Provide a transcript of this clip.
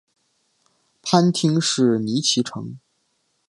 藩厅是尼崎城。